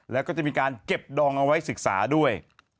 แล้วก็จะมีการเก็บดองเอาไว้ศึกษาด้วย